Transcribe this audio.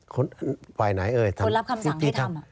คนรับคำสั่งให้ทำ